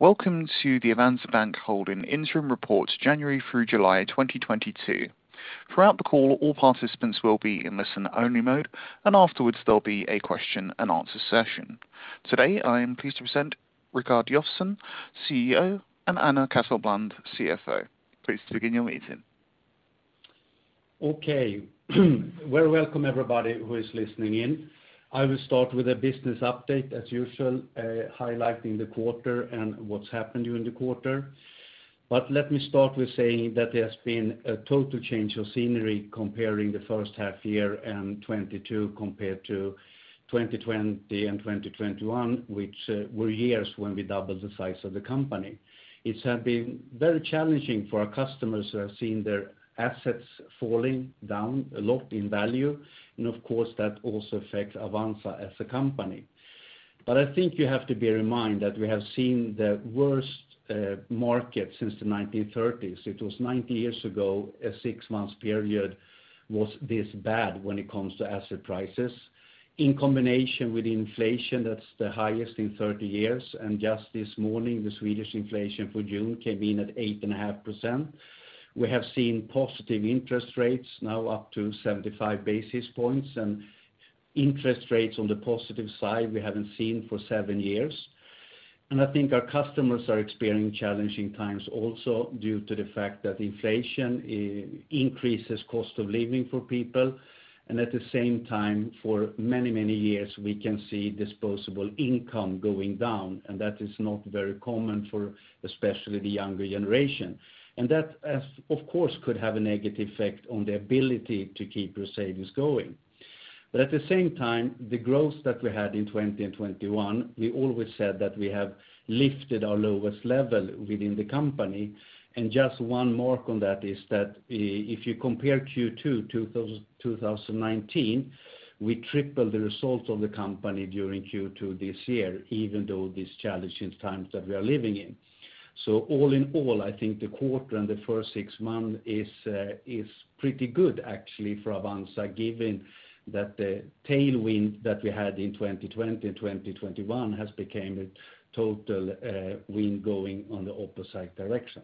Welcome to the Avanza Bank Holding interim report January through July 2022. Throughout the call, all participants will be in listen-only mode, and afterwards, there'll be a question and answer session. Today, I am pleased to present Rikard Josefson, CEO, and Anna Casselblad, CFO. Please begin your meeting. Okay. Well, welcome everybody who is listening in. I will start with a business update as usual, highlighting the quarter and what's happened during the quarter. Let me start with saying that there's been a total change of scenery comparing the first half year in 2022 compared to 2020 and 2021, which were years when we doubled the size of the company. It has been very challenging for our customers who have seen their assets falling down a lot in value, and of course, that also affects Avanza as a company. I think you have to bear in mind that we have seen the worst market since the 1930s. It was 90 years ago, a six-month period was this bad when it comes to asset prices. In combination with inflation, that's the highest in 30 years, and just this morning, the Swedish inflation for June came in at 8.5%. We have seen positive interest rates now up to 75 basis points and interest rates on the positive side we haven't seen for seven years. I think our customers are experiencing challenging times also due to the fact that inflation increases cost of living for people. At the same time, for many, many years, we can see disposable income going down, and that is not very common for especially the younger generation. That, of course, could have a negative effect on the ability to keep your savings going. At the same time, the growth that we had in 2020 and 2021, we always said that we have lifted our lowest level within the company. Just one mark on that is that if you compare Q2 to 2019, we tripled the results of the company during Q2 this year, even though these challenging times that we are living in. All in all, I think the quarter and the first six months is pretty good actually for Avanza, given that the tailwind that we had in 2020 and 2021 has became a total wind going on the opposite direction.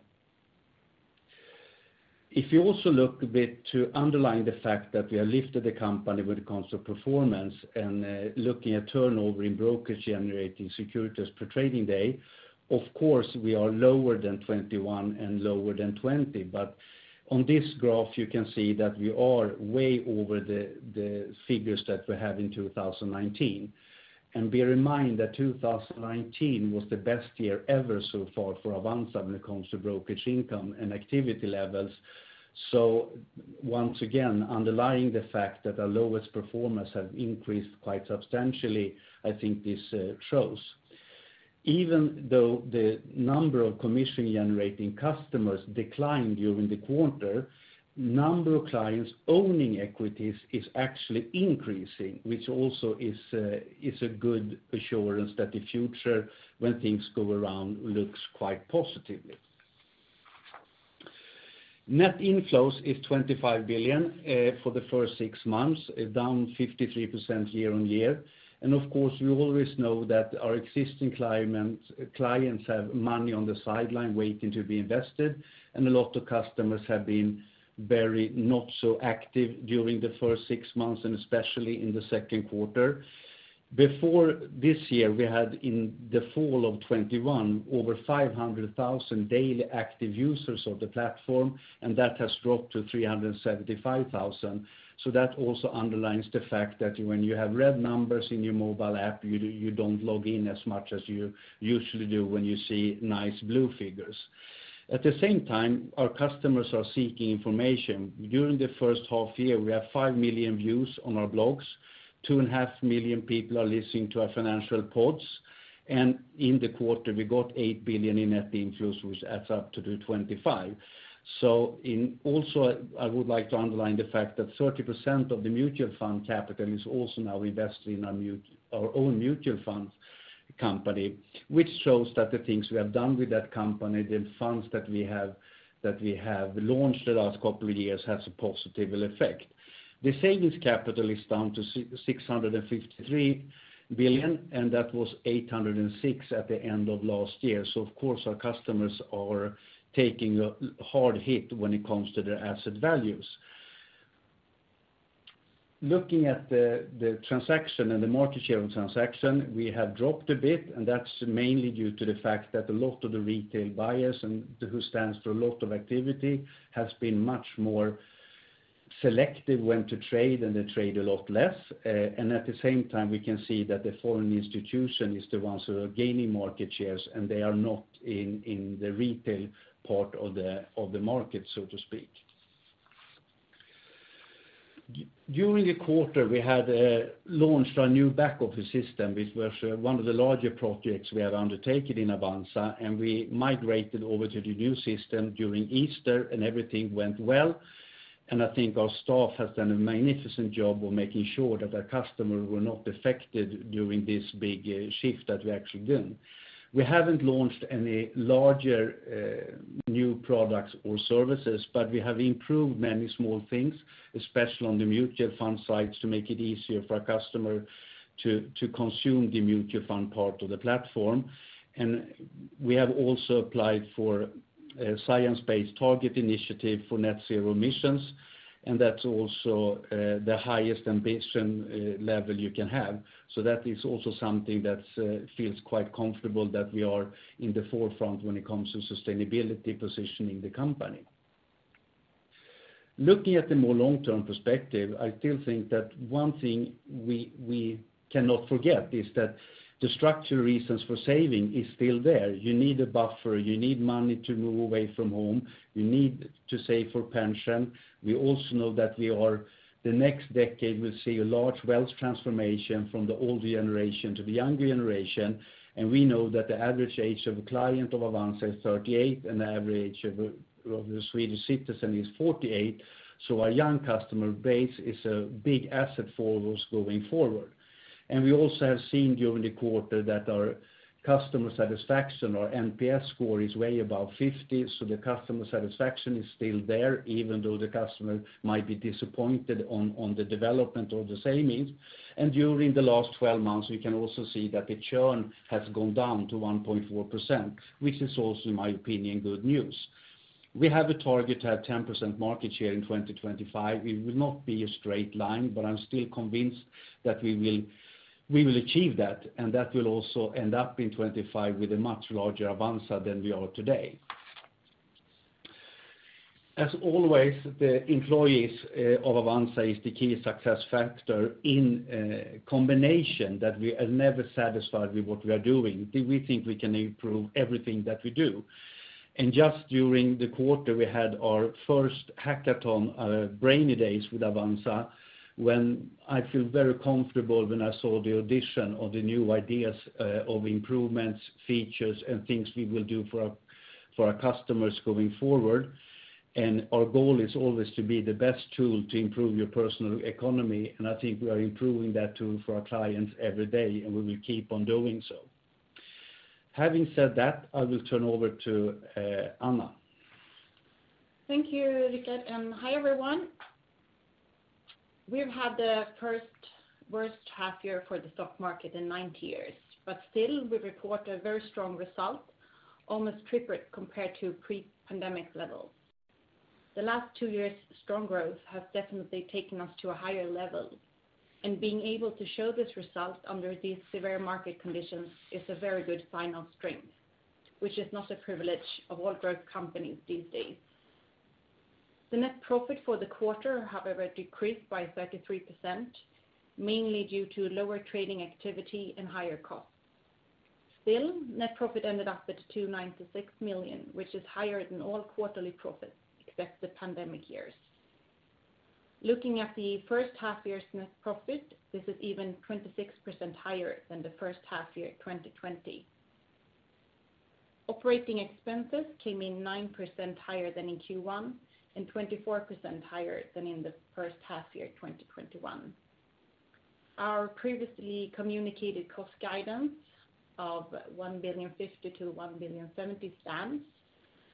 If you also look a bit to underline the fact that we have lifted the company when it comes to performance and looking at turnover in brokers generating securities per trading day, of course, we are lower than 2021 and lower than 2020. On this graph, you can see that we are way over the figures that we had in 2019. Bear in mind that 2019 was the best year ever so far for Avanza when it comes to brokerage income and activity levels. Once again, underlying the fact that our lowest performance has increased quite substantially, I think this shows. Even though the number of commission-generating customers declined during the quarter, number of clients owning equities is actually increasing, which also is a good assurance that the future when things go around looks quite positively. Net inflows is 25 billion for the first six months, down 53% year-on-year. Of course, we always know that our existing clients have money on the sideline waiting to be invested, and a lot of customers have been very not so active during the first six months and especially in the second quarter. Before this year, we had in the fall of 2021 over 500,000 daily active users of the platform, and that has dropped to 375,000. That also underlines the fact that when you have red numbers in your mobile app, you don't log in as much as you usually do when you see nice blue figures. At the same time, our customers are seeking information. During the first half year, we have 5 million views on our blogs, 2.5 million people are listening to our financial reports, and in the quarter, we got 8 billion in net inflows, which adds up to the 25. Also, I would like to underline the fact that 30% of the mutual fund capital is also now invested in our own mutual fund company, which shows that the things we have done with that company, the funds that we have, that we have launched the last couple of years, has a positive effect. The savings capital is down to 653 billion, and that was 806 at the end of last year. Of course, our customers are taking a hard hit when it comes to their asset values. Looking at the transaction and the market share transaction, we have dropped a bit, and that's mainly due to the fact that a lot of the retail buyers and who stands for a lot of activity has been much more selective when to trade and they trade a lot less. And at the same time, we can see that the foreign institution is the ones who are gaining market shares, and they are not in the retail part of the market, so to speak. During the quarter, we had launched our new back office system, which was one of the larger projects we have undertaken in Avanza, and we migrated over to the new system during Easter, and everything went well. I think our staff has done a magnificent job of making sure that our customers were not affected during this big shift that we actually done. We haven't launched any larger new products or services, but we have improved many small things, especially on the mutual fund sites, to make it easier for our customer to consume the mutual fund part of the platform. We have also applied for Science Based Targets initiative for net zero emissions, and that's also the highest ambition level you can have. That is also something that feels quite comfortable that we are in the forefront when it comes to sustainability positioning the company. Looking at the more long term perspective, I still think that one thing we cannot forget is that the structural reasons for saving is still there. You need a buffer. You need money to move away from home. You need to save for pension. We also know that the next decade will see a large wealth transformation from the older generation to the younger generation. We know that the average age of a client of Avanza is 38, and the average of the Swedish citizen is 48. Our young customer base is a big asset for us going forward. We also have seen during the quarter that our customer satisfaction, our NPS score is way above 50. The customer satisfaction is still there, even though the customer might be disappointed on the development of the savings. During the last 12 months, we can also see that the churn has gone down to 1.4%, which is also, in my opinion, good news. We have a target to have 10% market share in 2025. It will not be a straight line, but I'm still convinced that we will achieve that. That will also end up in 2025 with a much larger Avanza than we are today. As always, the employees of Avanza is the key success factor in combination that we are never satisfied with what we are doing. We think we can improve everything that we do. Just during the quarter, we had our first hackathon, brainy days with Avanza, when I feel very comfortable when I saw the addition of the new ideas of improvements, features and things we will do for our customers going forward. Our goal is always to be the best tool to improve your personal economy, and I think we are improving that tool for our clients every day, and we will keep on doing so. Having said that, I will turn over to Anna. Thank you, Rikard, and hi everyone. We've had the first worst half year for the stock market in 90 years, but still we report a very strong result, almost triple compared to pre-pandemic levels. The last two years' strong growth has definitely taken us to a higher level, and being able to show this result under these severe market conditions is a very good sign of strength, which is not a privilege of all growth companies these days. The net profit for the quarter, however, decreased by 33%, mainly due to lower trading activity and higher costs. Still, net profit ended up at 296 million, which is higher than all quarterly profits except the pandemic years. Looking at the first half year's net profit, this is even 26% higher than the first half year 2020. Operating expenses came in 9% higher than in Q1 and 24% higher than in the first half year 2021. Our previously communicated cost guidance of 1.05 billion-1.07 billion stands.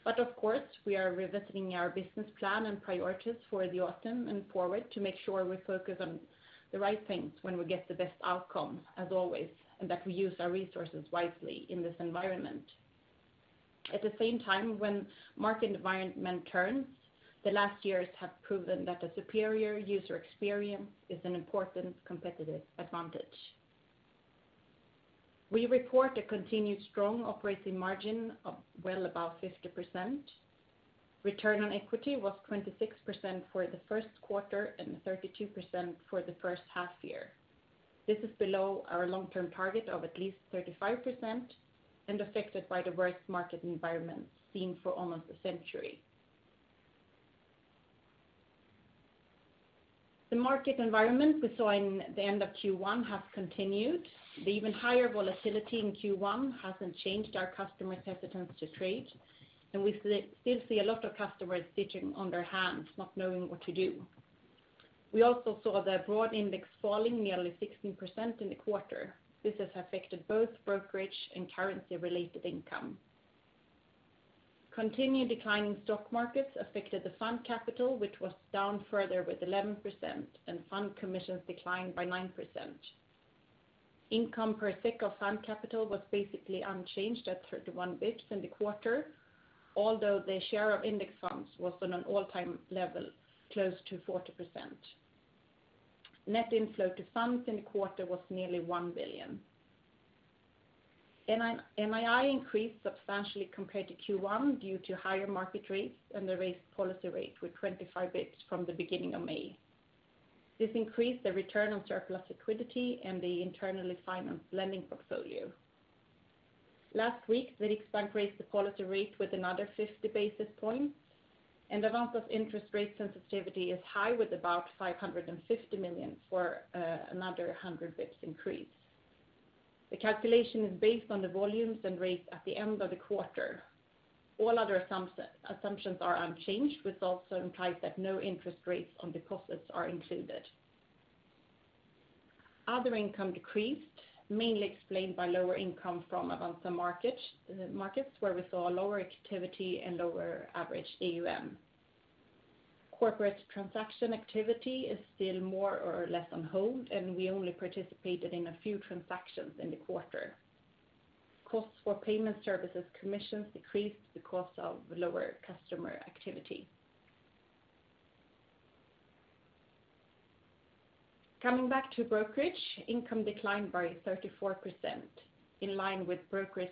Of course, we are revisiting our business plan and priorities for the autumn and forward to make sure we focus on the right things when we get the best outcomes as always, and that we use our resources wisely in this environment. At the same time, when market environment turns, the last years have proven that a superior user experience is an important competitive advantage. We report a continued strong operating margin of well above 50%. Return on equity was 26% for the first quarter and 32% for the first half year. This is below our long-term target of at least 35% and affected by the worst market environment seen for almost a century. The market environment we saw in the end of Q1 has continued. The even higher volatility in Q1 hasn't changed our customers' hesitance to trade, and we still see a lot of customers sitting on their hands not knowing what to do. We also saw the broad index falling nearly 16% in the quarter. This has affected both brokerage and currency-related income. Continued decline in stock markets affected the fund capital, which was down further with 11% and fund commissions declined by 9%. Income per SEK of fund capital was basically unchanged at 31 bps in the quarter, although the share of index funds was on an all-time level close to 40%. Net inflow to funds in the quarter was nearly 1 billion. NII increased substantially compared to Q1 due to higher market rates and the raised policy rate with 25 basis points from the beginning of May. This increased the return on surplus liquidity and the internally financed lending portfolio. Last week, Swedbank raised the policy rate with another 50 basis points, and Avanza's interest rate sensitivity is high with about 550 million for another 100 basis points increase. The calculation is based on the volumes and rates at the end of the quarter. All other assumptions are unchanged, which also implies that no interest rates on deposits are included. Other income decreased, mainly explained by lower income from Avanza Markets, markets where we saw lower activity and lower average AUM. Corporate transaction activity is still more or less on hold, and we only participated in a few transactions in the quarter. Costs for payment services commissions decreased because of lower customer activity. Coming back to brokerage, income declined by 34% in line with brokerage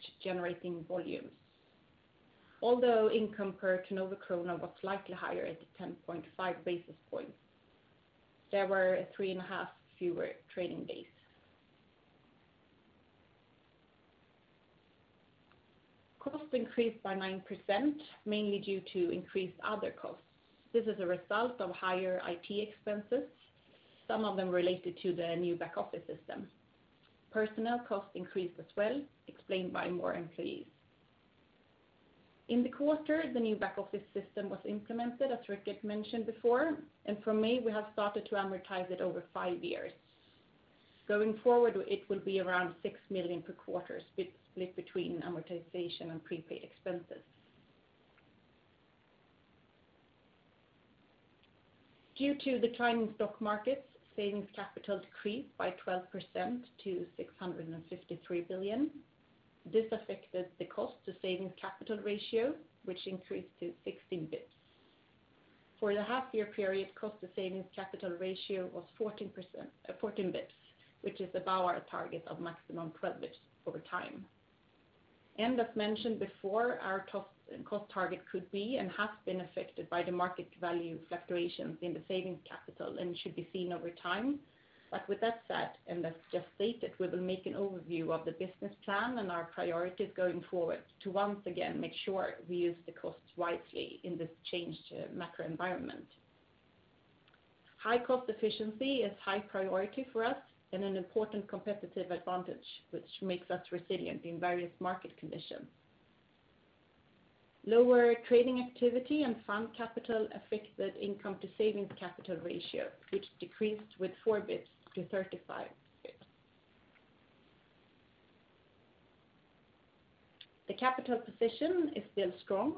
volumes. Although income per turnover krona was slightly higher at 10.5 basis points, there were three and a half fewer trading days. Costs increased by 9%, mainly due to increased other costs. This is a result of higher IT expenses, some of them related to the new back office system. Personnel costs increased as well, explained by more employees. In the quarter, the new back office system was implemented as Rikard mentioned before, and from May we have started to amortize it over five years. Going forward, it will be around 6 million per quarter split between amortization and prepaid expenses. Due to the trying stock markets, savings capital decreased by 12% to 653 billion. This affected the cost to savings capital ratio, which increased to 16 bps. For the half year period, cost to savings capital ratio was 14 bps, which is above our target of maximum 12 bps over time. As mentioned before, our cost target could be and has been affected by the market value fluctuations in the savings capital and should be seen over time. With that said, and as just stated, we will make an overview of the business plan and our priorities going forward to once again make sure we use the costs wisely in this changed macro environment. High cost efficiency is high priority for us and an important competitive advantage which makes us resilient in various market conditions. Lower trading activity and fund capital affected income to savings capital ratio, which decreased with 4 bps-35 bps. The capital position is still strong.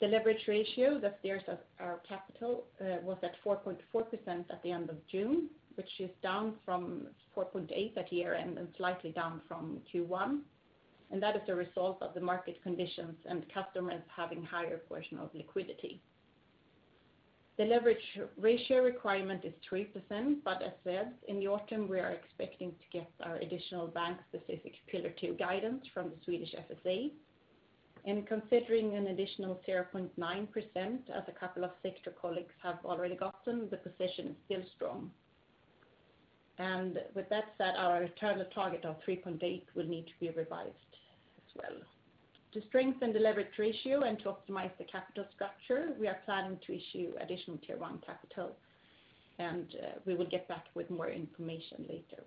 The leverage ratio that steers our capital was at 4.4% at the end of June, which is down from 4.8% at year-end and slightly down from Q1. That is a result of the market conditions and customers having higher portion of liquidity. The leverage ratio requirement is 3%, but as said, in the autumn we are expecting to get our additional bank-specific Pillar Two guidance from the Swedish FSA. Considering an additional 0.9% as a couple of sector colleagues have already gotten, the position is still strong. With that said, our return target of 3.8% will need to be revised as well. To strengthen the leverage ratio and to optimize the capital structure, we are planning to issue additional Tier One capital, and we will get back with more information later.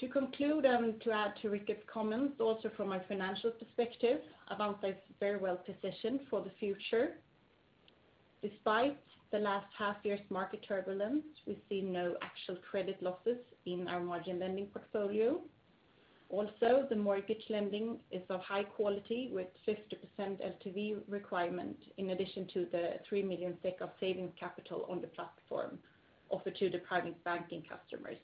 To conclude and to add to Rikard's comments, also from a financial perspective, Avanza is very well positioned for the future. Despite the last half year's market turbulence, we see no actual credit losses in our margin lending portfolio. Also, the mortgage lending is of high quality with 50% LTV requirement in addition to 3 million of savings capital on the platform offered to the Private Banking customers.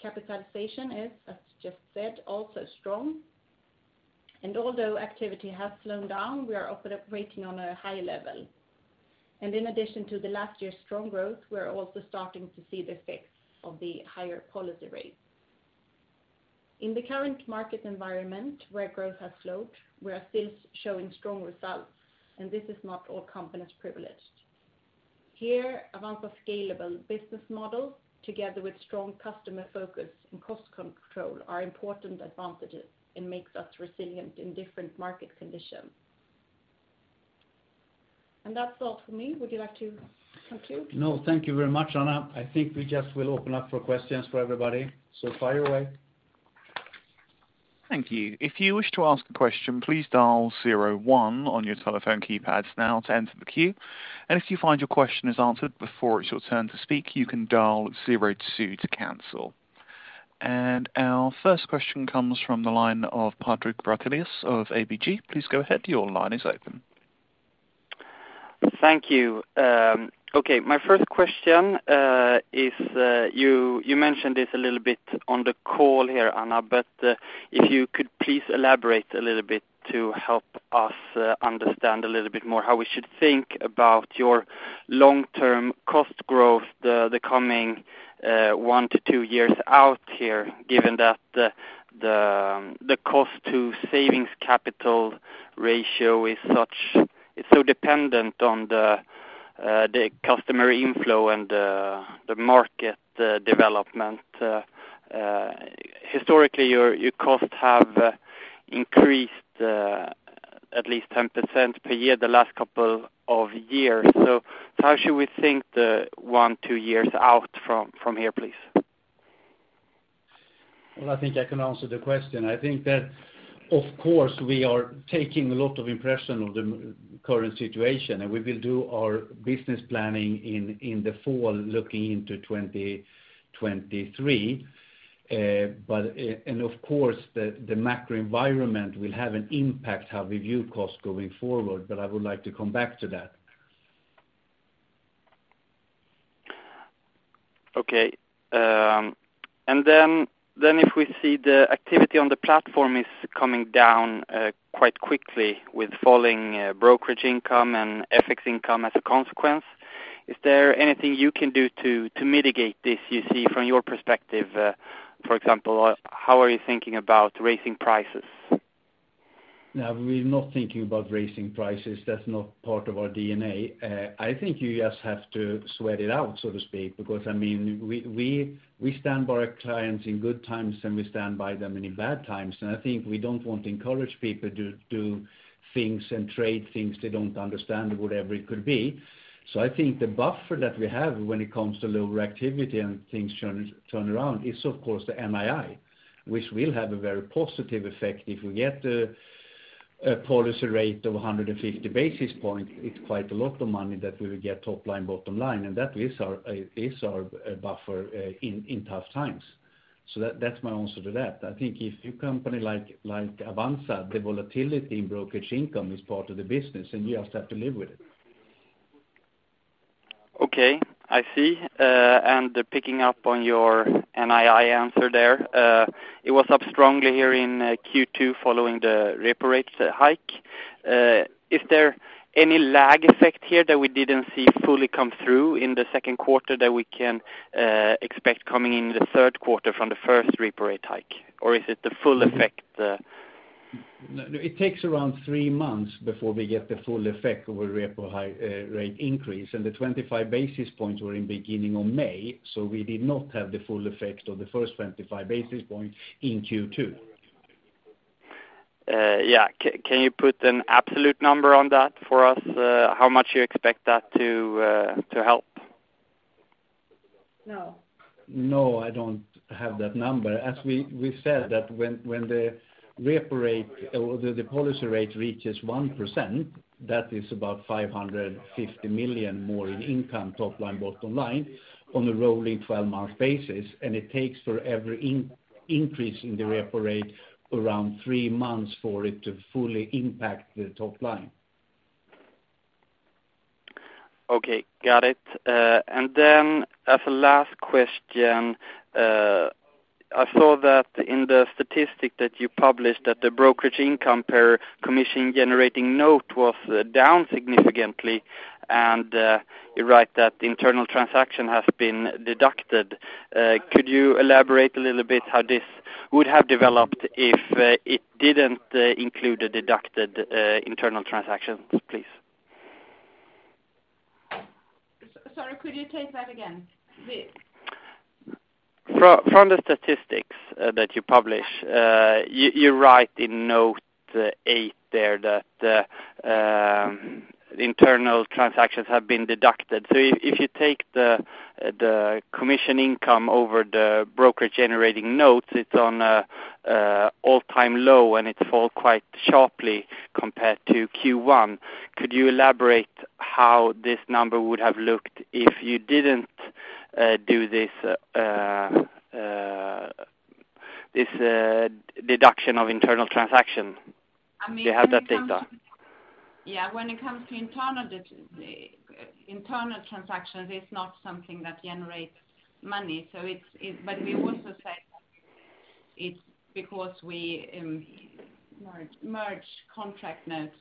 Capitalization is, as just said, also strong. Although activity has slowed down, we are operating on a high level. In addition to the last year's strong growth, we're also starting to see the effects of the higher policy rates. In the current market environment where growth has slowed, we are still showing strong results and this is not all companies privileged. Here, Avanza's scalable business model together with strong customer focus and cost control are important advantages and makes us resilient in different market conditions. That's all for me. Would you like to conclude? No, thank you very much, Anna. I think we just will open up for questions for everybody. Fire away. Thank you. If you wish to ask a question, please dial zero one on your telephone keypads now to enter the queue. If you find your question is answered before it's your turn to speak, you can dial zero two to cancel. Our first question comes from the line of Patrik Brattelius of ABG. Please go ahead, your line is open. Thank you. Okay, my first question is, you mentioned this a little bit on the call here, Anna, but if you could please elaborate a little bit to help us understand a little bit more how we should think about your long-term cost growth, the cost to savings capital ratio is so dependent on the customer inflow and the market development. Historically, your costs have increased at least 10% per year the last couple of years. How should we think the one to two years out from here, please? Well, I think I can answer the question. I think that of course, we are taking a lot of impression of the current situation, and we will do our business planning in the fall looking into 2023. Of course the macro environment will have an impact how we view costs going forward, but I would like to come back to that. Okay. Then if we see the activity on the platform is coming down quite quickly with falling brokerage income and FX income as a consequence, is there anything you can do to mitigate this you see from your perspective? For example, how are you thinking about raising prices? No, we're not thinking about raising prices. That's not part of our DNA. I think you just have to sweat it out, so to speak, because, I mean, we stand by our clients in good times, and we stand by them in bad times. I think we don't want to encourage people to do things and trade things they don't understand, whatever it could be. I think the buffer that we have when it comes to lower activity and things turn around is of course the NII, which will have a very positive effect if we get a policy rate of 150 basis points. It's quite a lot of money that we will get top line, bottom line, and that is our buffer in tough times. That's my answer to that. I think if a company like Avanza, the volatility in brokerage income is part of the business and you just have to live with it. Okay, I see. Picking up on your NII answer there, it was up strongly here in Q2 following the repo rate hike. Is there any lag effect here that we didn't see fully come through in the second quarter that we can expect coming in the third quarter from the first repo rate hike? Or is it the full effect? No, it takes around three months before we get the full effect of a repo rate hike, and the 25 basis points were at the beginning of May, so we did not have the full effect of the first 25 basis points in Q2. Yeah. Can you put an absolute number on that for us? How much you expect that to help? No. No, I don't have that number. As we said that when the repo rate or the policy rate reaches 1%, that is about 550 million more in income, top line, bottom line, on a rolling-twelve-month basis, and it takes for every increase in the repo rate around three months for it to fully impact the top line. Okay, got it. As a last question, I saw that in the statistic that you published that the brokerage income per commission generating note was down significantly, and you write that internal transaction has been deducted. Could you elaborate a little bit how this would have developed if it didn't include the deducted internal transactions, please? Sorry, could you take that again? From the statistics that you publish, you write in Note eight there that internal transactions have been deducted. If you take the commission income over the brokerage generating notes, it's on an all-time low, and it fell quite sharply compared to Q1. Could you elaborate how this number would have looked if you didn't do this deduction of internal transactions? I mean. Do you have that data? Yeah. When it comes to internal transactions, it's not something that generates money. We also said it's because we merge contract notes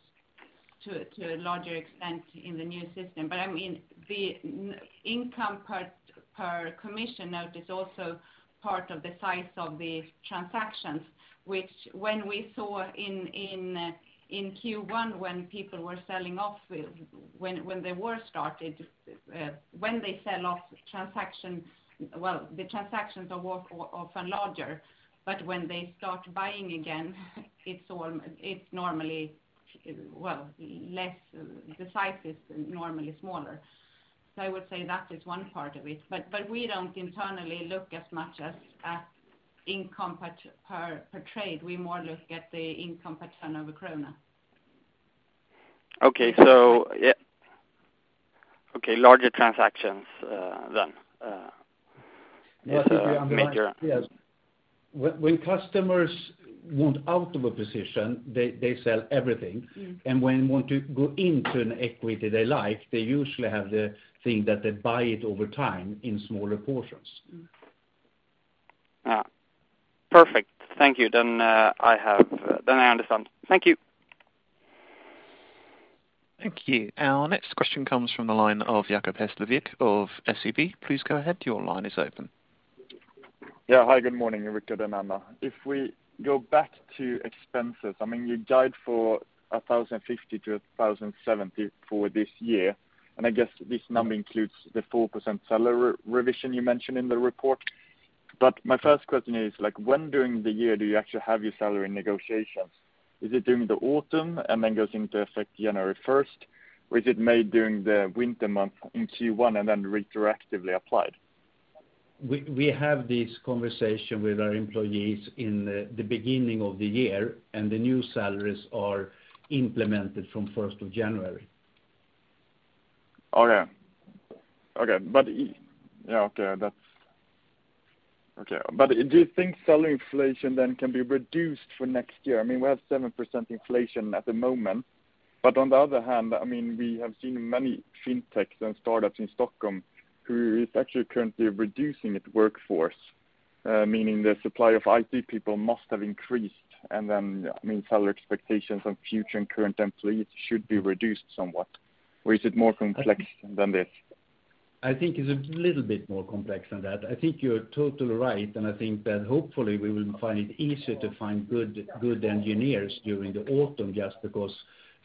to a larger extent in the new system. I mean, the net income per commission note is also part of the size of the transactions, which when we saw in Q1, when people were selling off, when the war started, when they sell off transactions, well, the transactions are often larger. When they start buying again, it's normally less. The size is normally smaller. I would say that is one part of it. We don't internally look as much at income per trade. We more look at the income per turnover krona. Okay. Yeah. Okay, larger transactions, then. Yeah. I think we underlined. Is the major- Yes. When customers want out of a position, they sell everything. When they want to go into an equity they like, they usually have the thing that they buy it over time in smaller portions. Perfect. Thank you. I understand. Thank you. Thank you. Our next question comes from the line of Jacob Hesslevik of SEB. Please go ahead. Your line is open. Yeah. Hi, good morning, Rikard and Anna. If we go back to expenses, I mean, you guide for 1,050-1,070 for this year, and I guess this number includes the 4% salary revision you mentioned in the report. My first question is, like, when during the year do you actually have your salary negotiations? Is it during the autumn and then goes into effect January first? Or is it made during the winter month in Q1 and then retroactively applied? We have this conversation with our employees in the beginning of the year, and the new salaries are implemented from first of January. Okay. Yeah, okay. That's okay. Do you think salary inflation then can be reduced for next year? I mean, we have 7% inflation at the moment, but on the other hand, I mean, we have seen many FinTechs and startups in Stockholm who is actually currently reducing its workforce, meaning the supply of IT people must have increased. Then, I mean, salary expectations on future and current employees should be reduced somewhat. Is it more complex than this? I think it's a little bit more complex than that. I think you're totally right, and I think that hopefully we will find it easier to find good engineers during the autumn just because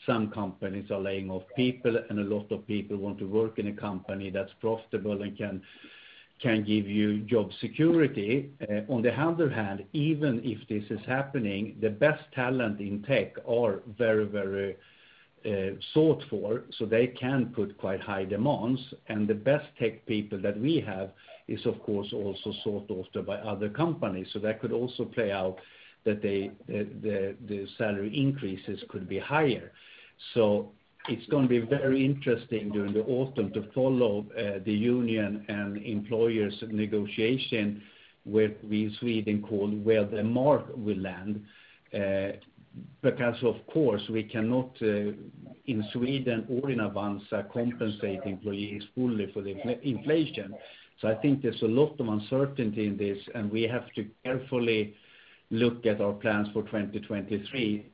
some companies are laying off people, and a lot of people want to work in a company that's profitable and can give you job security. On the other hand, even if this is happening, the best talent in tech are very sought for, so they can put quite high demands, and the best tech people that we have is, of course, also sought after by other companies. That could also play out that the salary increases could be higher. It's gonna be very interesting during the autumn to follow the union and employers negotiation, where we in Sweden call where the mark will land. Because of course, we cannot in Sweden or in Avanza compensate employees fully for the inflation. I think there's a lot of uncertainty in this, and we have to carefully look at our plans for 2023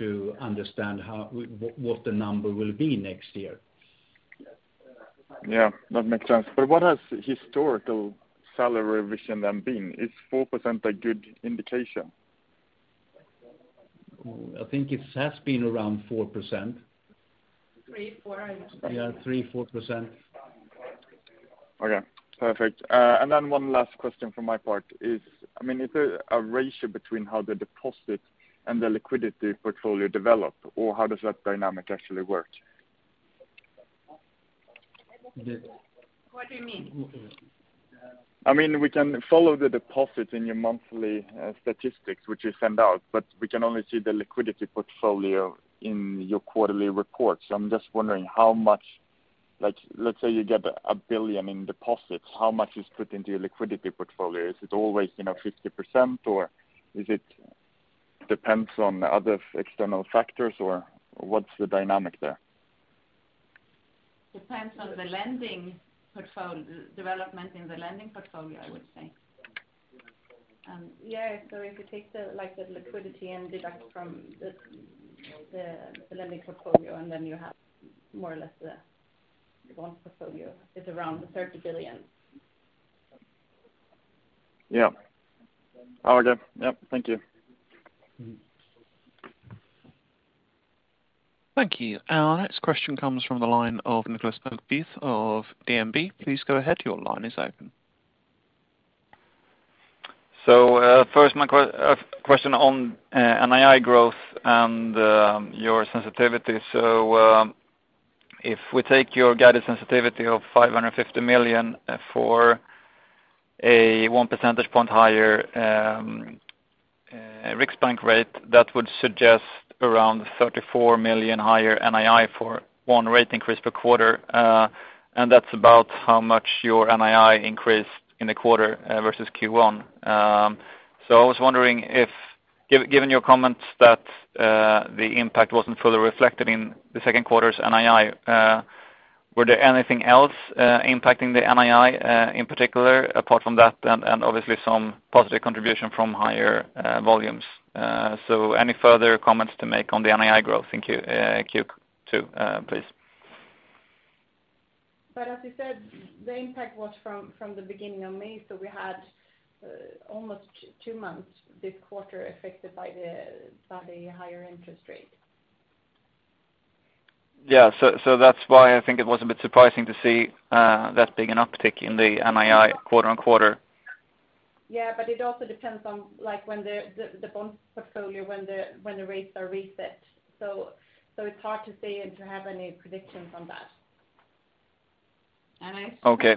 to understand how what the number will be next year. Yeah, that makes sense. What has historical salary revision then been? Is 4% a good indication? Oh, I think it has been around 4%. 3%, 4%, I would say. Yeah, 3%,4%. Okay, perfect. One last question from my part is, I mean, is there a ratio between how the deposit and the liquidity portfolio develop, or how does that dynamic actually work? What do you mean? I mean, we can follow the deposit in your monthly statistics, which you send out, but we can only see the liquidity portfolio in your quarterly reports. I'm just wondering how much. Like, let's say you get 1 billion in deposits, how much is put into your liquidity portfolio? Is it always, you know, 50%, or is it depends on other external factors, or what's the dynamic there? Depends on the development in the lending portfolio, I would say. If you take the, like, liquidity and deduct from the lending portfolio, and then you have more or less the bond portfolio. It's around SEK 30 billion. Yeah. All good. Yep, thank you. Thank you. Our next question comes from the line of Nicolas McBeath of DNB. Please go ahead, your line is open. First my question on NII growth and your sensitivity. If we take your guided sensitivity of 550 million for a 1 percentage point higher Riksbank rate, that would suggest around 34 million higher NII for one rate increase per quarter. And that's about how much your NII increased in the quarter versus Q1. I was wondering if, given your comments that the impact wasn't fully reflected in the second quarter's NII, were there anything else impacting the NII in particular apart from that and obviously some positive contribution from higher volumes? Any further comments to make on the NII growth in Q2 please? As you said, the impact was from the beginning of May, so we had almost two months this quarter affected by the higher interest rate. That's why I think it was a bit surprising to see that big an uptick in the NII quarter-over-quarter. It also depends on, like, when the bond portfolio, when the rates are reset. It's hard to say and to have any predictions on that. Okay.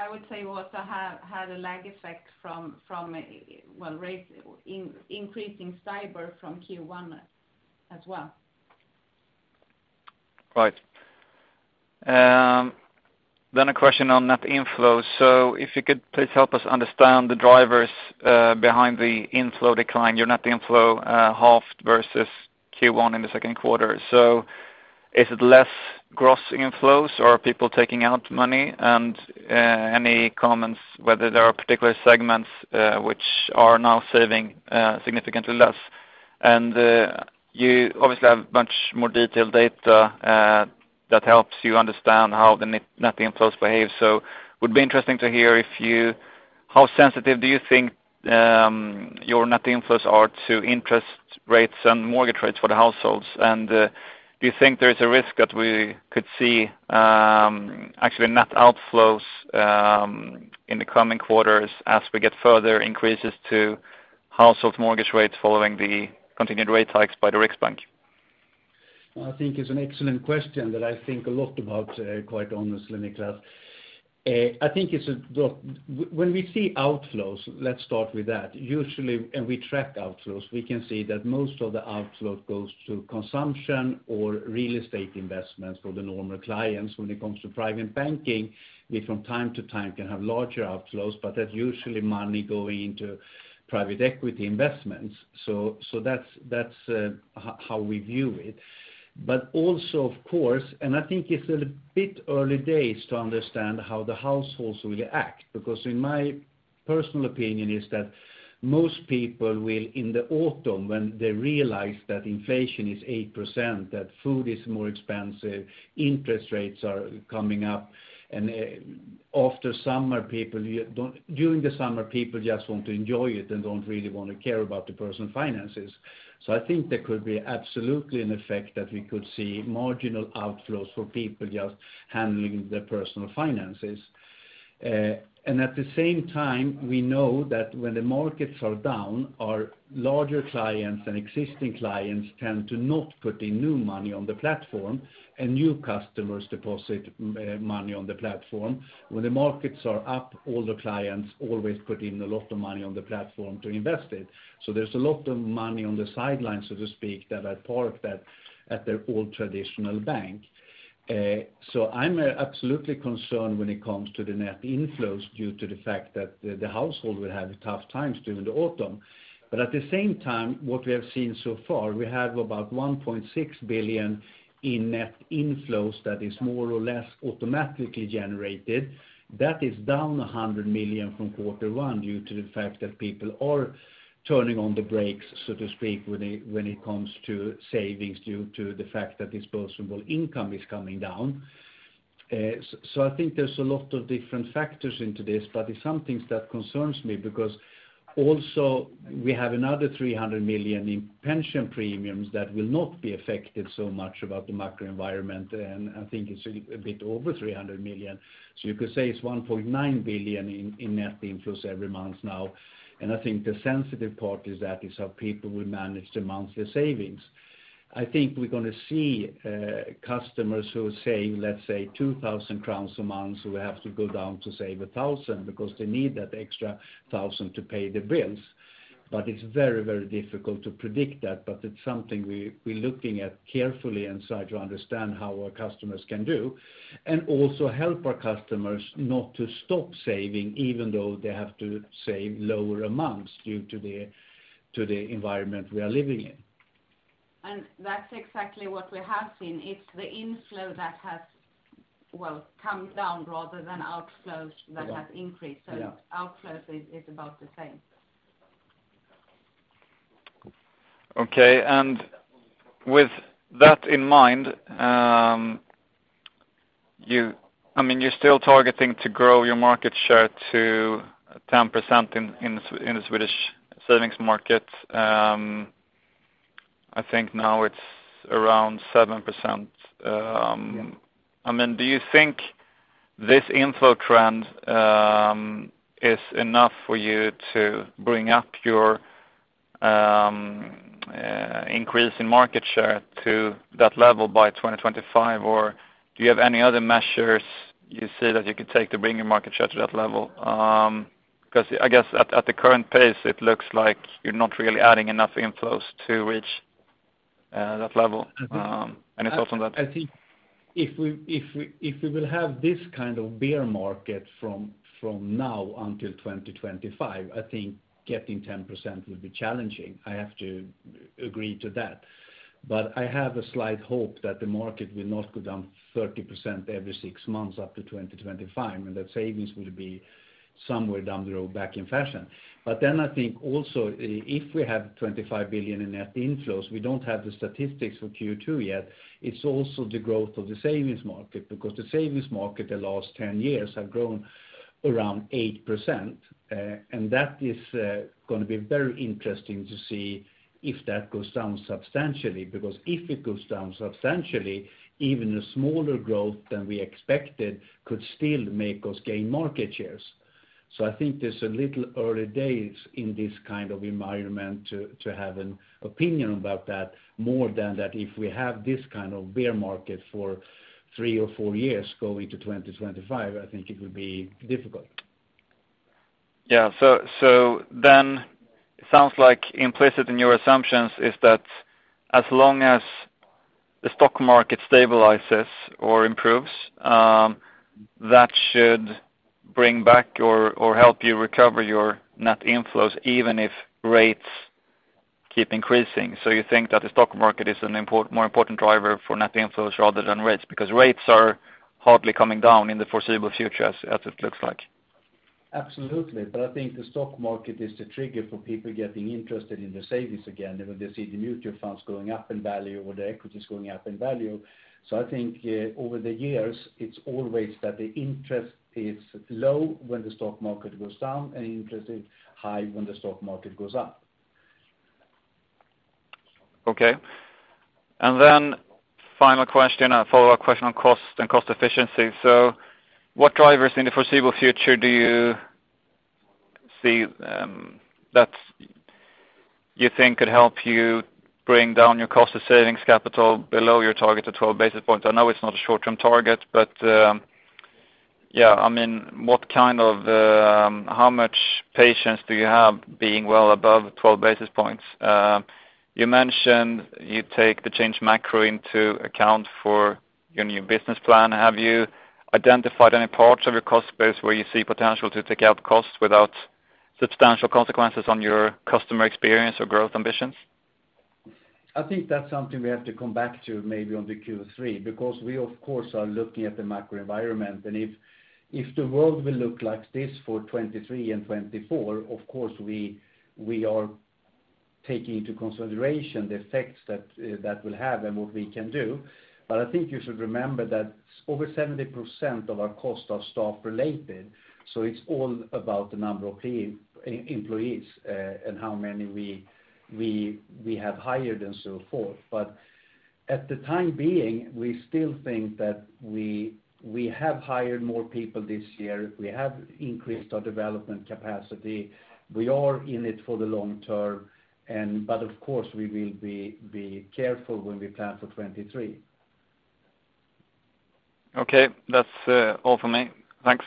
I would say we also had a lag effect from, well, rate increasing STIBOR from Q1 as well. Right. A question on net inflows. If you could please help us understand the drivers behind the inflow decline. Your net inflow halved versus Q1 in the second quarter. Is it less gross inflows, or are people taking out money? Any comments whether there are particular segments which are now saving significantly less? You obviously have much more detailed data that helps you understand how the net inflows behave. Would be interesting to hear how sensitive do you think your net inflows are to interest rates and mortgage rates for the households? Do you think there is a risk that we could see actually net outflows in the coming quarters as we get further increases to household mortgage rates following the continued rate hikes by the Riksbank? I think it's an excellent question that I think a lot about, quite honestly, Niklas. When we see outflows, let's start with that. Usually we track outflows, we can see that most of the outflow goes to consumption or real estate investments for the normal clients. When it comes to Private Banking, we from time to time can have larger outflows, but that's usually money going into private equity investments. That's how we view it. Also, of course, I think it's a bit early days to understand how the households will react. Because in my personal opinion is that most people will in the autumn when they realize that inflation is 8%, that food is more expensive, interest rates are coming up, and after summer people, you don't. During the summer, people just want to enjoy it and don't really want to care about the personal finances. I think there could be absolutely an effect that we could see marginal outflows for people just handling their personal finances. At the same time, we know that when the markets are down, our larger clients and existing clients tend to not put in new money on the platform, and new customers deposit money on the platform. When the markets are up, all the clients always put in a lot of money on the platform to invest it. There's a lot of money on the sidelines, so to speak, that are parked at their old traditional bank. I'm absolutely concerned when it comes to the net inflows due to the fact that the household will have tough times during the autumn. At the same time, what we have seen so far, we have about 1.6 billion in net inflows that is more or less automatically generated. That is down 100 million from quarter one due to the fact that people are turning on the brakes, so to speak, when they, when it comes to savings due to the fact that disposable income is coming down. I think there's a lot of different factors into this, but it's something that concerns me because also we have another 300 million in pension premiums that will not be affected so much by the macro environment, and I think it's a bit over 300 million. You could say it's 1.9 billion in net inflows every month now. I think the sensitive part is that is how people will manage the monthly savings. I think we're gonna see customers who are saving, let's say, 2,000 crowns a month will have to go down to, say, 1,000 because they need that extra 1,000 to pay their bills. It's very, very difficult to predict that, but it's something we're looking at carefully and try to understand how our customers can do, and also help our customers not to stop saving even though they have to save lower amounts due to the environment we are living in. That's exactly what we have seen. It's the inflow that has, well, come down rather than outflows that have increased. Yeah. Outflows is about the same. Okay. With that in mind, I mean, you're still targeting to grow your market share to 10% in the Swedish savings market. I think now it's around 7%. Yeah. I mean, do you think this inflow trend is enough for you to bring up your increase in market share to that level by 2025? Or do you have any other measures you see that you could take to bring your market share to that level? 'Cause I guess at the current pace, it looks like you're not really adding enough inflows to reach that level. Okay. Any thoughts on that? I think if we will have this kind of bear market from now until 2025, I think getting 10% will be challenging. I have to agree to that. I have a slight hope that the market will not go down 30% every six months up to 2025, and that savings will be somewhere down the road back in fashion. I think also, if we have 25 billion in net inflows, we don't have the statistics for Q2 yet. It's also the growth of the savings market, because the savings market the last 10 years have grown around 8%, and that is gonna be very interesting to see if that goes down substantially. Because if it goes down substantially, even a smaller growth than we expected could still make us gain market shares. I think it's a little early days in this kind of environment to have an opinion about that more than that if we have this kind of bear market for three or four years going to 2025. I think it will be difficult. It sounds like implicit in your assumptions is that as long as the stock market stabilizes or improves, that should bring back or help you recover your net inflows even if rates keep increasing. You think that the stock market is a more important driver for net inflows rather than rates, because rates are hardly coming down in the foreseeable future as it looks like. Absolutely. I think the stock market is the trigger for people getting interested in their savings again when they see the mutual funds going up in value or their equity is going up in value. I think over the years, it's always that the interest is low when the stock market goes down, and interest is high when the stock market goes up. Okay. Then final question, a follow-up question on cost and cost efficiency. What drivers in the foreseeable future do you see, that's what you think could help you bring down your cost of savings capital below your target to 12 basis points. I know it's not a short-term target, but, yeah, I mean, what kind of, how much patience do you have being well above 12 basis points? You mentioned you take the changing macro into account for your new business plan. Have you identified any parts of your cost base where you see potential to take out costs without substantial consequences on your customer experience or growth ambitions? I think that's something we have to come back to maybe on the Q3, because we of course are looking at the macro environment. If the world will look like this for 2023 and 2024, of course we are taking into consideration the effects that that will have and what we can do. I think you should remember that over 70% of our costs are staff related, so it's all about the number of employees and how many we have hired and so forth. At the time being, we still think that we have hired more people this year. We have increased our development capacity. We are in it for the long term, but of course we will be careful when we plan for 2023. Okay. That's all for me. Thanks.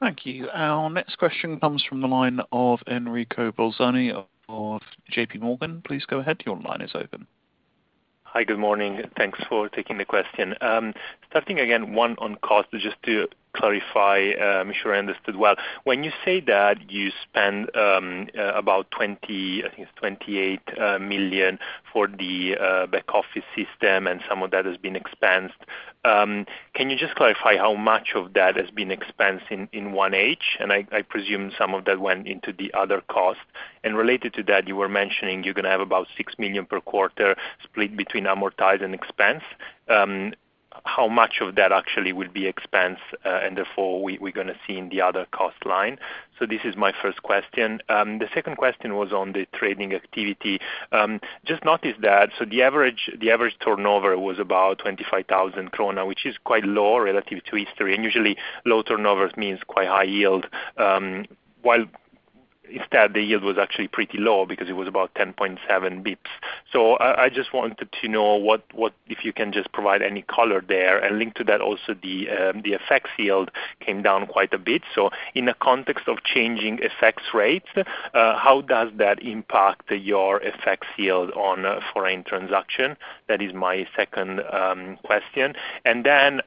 Thank you. Our next question comes from the line of Enrico Bolzoni of JPMorgan. Please go ahead. Your line is open. Hi, good morning, and thanks for taking the question. Starting again, one on cost, just to clarify, make sure I understood well. When you say that you spend about 20, I think it's 28, 28 million for the back office system and some of that has been expensed, can you just clarify how much of that has been expensed in 1H? I presume some of that went into the other costs. Related to that, you were mentioning you're gonna have about 6 million per quarter split between amortize and expense. How much of that actually will be expense, and therefore we're gonna see in the other cost line? This is my first question. The second question was on the trading activity. Just noticed that the average turnover was about 25 thousand krona, which is quite low relative to history, and usually low turnovers means quite high yield, while instead the yield was actually pretty low because it was about 10.7 basis points. I just wanted to know what. If you can just provide any color there. Linked to that also the FX yield came down quite a bit. In the context of changing FX rates, how does that impact your FX yield on foreign transaction? That is my second question. Then,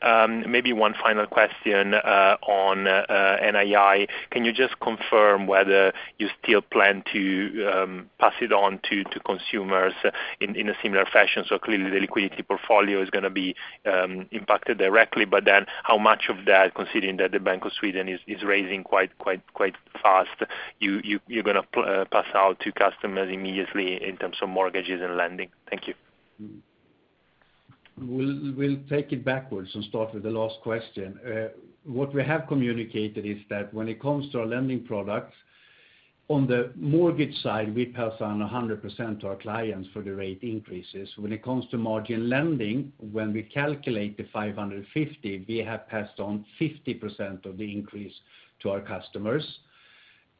maybe one final question on NII. Can you just confirm whether you still plan to pass it on to consumers in a similar fashion? Clearly the liquidity portfolio is gonna be impacted directly, but then how much of that, considering that the Bank of Sweden is raising quite fast, you're gonna pass on to customers immediately in terms of mortgages and lending? Thank you. We'll take it backwards and start with the last question. What we have communicated is that when it comes to our lending products, on the mortgage side, we pass on 100% to our clients for the rate increases. When it comes to margin lending, when we calculate the 550, we have passed on 50% of the increase to our customers.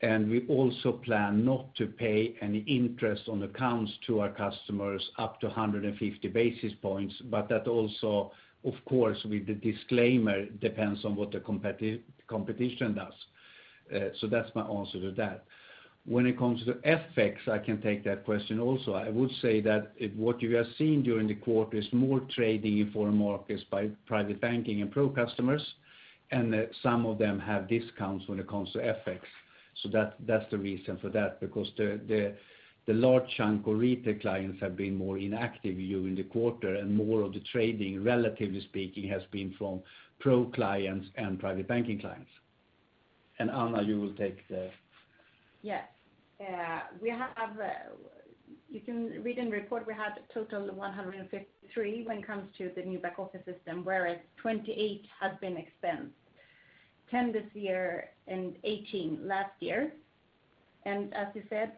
We also plan not to pay any interest on accounts to our customers up to 150 basis points, but that also, of course, with the disclaimer, depends on what the competition does. That's my answer to that. When it comes to FX, I can take that question also. I would say that it. What you have seen during the quarter is more trading in foreign markets by Private Banking and pro customers, and some of them have discounts when it comes to FX. That, that's the reason for that, because the large chunk of retail clients have been more inactive during the quarter, and more of the trading, relatively speaking, has been from pro clients and Private Banking clients. Anna, you will take the- Yes. We have, you can read in the report we have total 153 when it comes to the new back office system, whereas 28 had been expensed, 10 this year and 18 last year. As you said,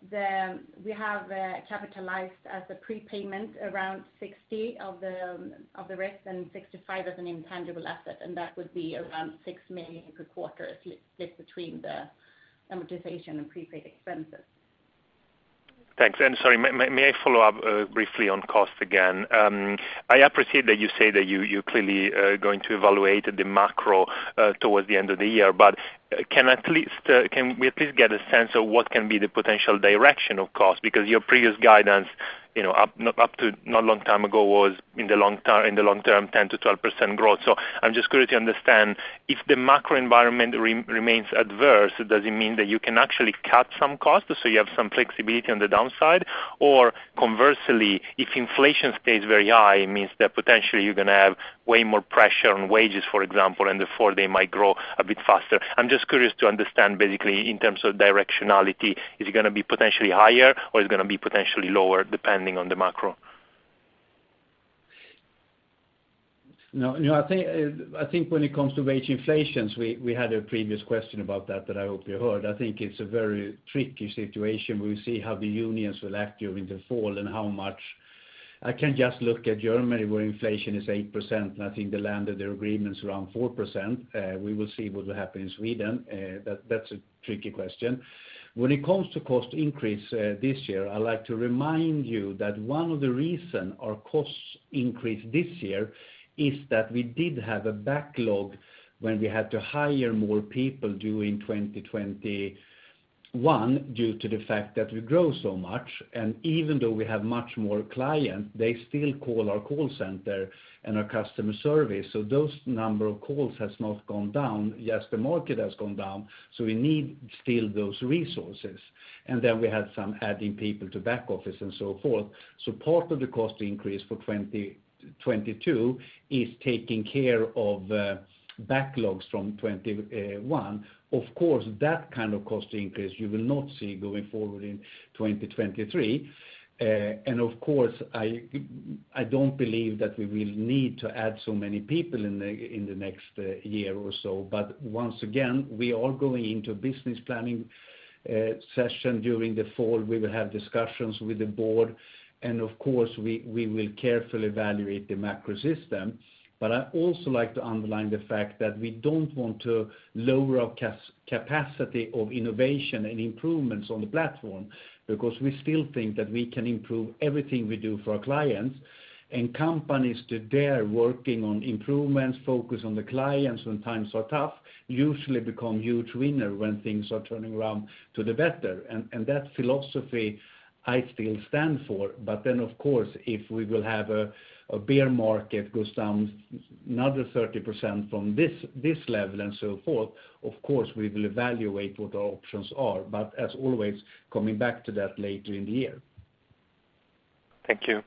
we have capitalized as a prepayment around 60 of the risk and 65 as an intangible asset, and that would be around 6 million per quarter split between the amortization and prepaid expenses. Thanks. Sorry, may I follow up briefly on cost again? I appreciate that you say that you're clearly going to evaluate the macro towards the end of the year, but can we at least get a sense of what can be the potential direction of cost? Because your previous guidance, you know, up to not long time ago was in the long term, 10%-12% growth. I'm just curious to understand, if the macro environment remains adverse, does it mean that you can actually cut some costs, so you have some flexibility on the downside? Conversely, if inflation stays very high, it means that potentially you're gonna have way more pressure on wages, for example, and therefore they might grow a bit faster. I'm just curious to understand basically in terms of directionality, is it gonna be potentially higher or is it gonna be potentially lower depending on the macro? No, no, I think I think when it comes to wage inflations, we had a previous question about that that I hope you heard. I think it's a very tricky situation. We'll see how the unions will act during the fall and how much I can just look at Germany where inflation is 8%, and I think they landed their agreements around 4%. We will see what will happen in Sweden. That's a tricky question. When it comes to cost increase this year, I'd like to remind you that one of the reason our costs increased this year is that we did have a backlog when we had to hire more people during 2021 due to the fact that we grow so much. Even though we have much more client, they still call our call center and our customer service. Those number of calls has not gone down. Yes, the market has gone down, so we need still those resources. Then we had some adding people to back office and so forth. Part of the cost increase for 2022 is taking care of backlogs from 2021. Of course, that kind of cost increase you will not see going forward in 2023. Of course I don't believe that we will need to add so many people in the next year or so. Once again, we are going into business planning session during the fall. We will have discussions with the board, and of course we will carefully evaluate the macro system. I also like to underline the fact that we don't want to lower our capacity of innovation and improvements on the platform because we still think that we can improve everything we do for our clients. Companies that they're working on improvements focus on the clients when times are tough usually become huge winners when things are turning around to the better. That philosophy I still stand for. Of course, if we will have a bear market goes down another 30% from this level and so forth, of course we will evaluate what our options are. As always, coming back to that later in the year. Thank you.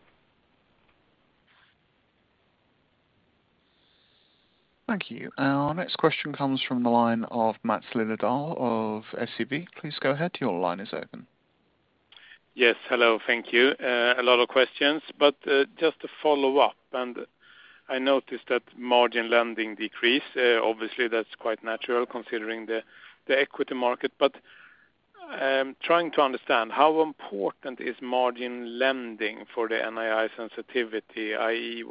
Thank you. Our next question comes from the line of Maths Liljedahl of SEB. Please go ahead, your line is open. Yes. Hello, thank you. A lot of questions, but just to follow up. I noticed that margin lending decreased. Obviously that's quite natural considering the equity market. Trying to understand how important is margin lending for the NII sensitivity, i.e.,